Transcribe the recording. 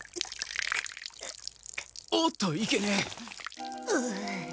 おっといけねえ。